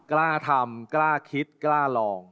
กล้าทำกล้าคิดกล้าลอง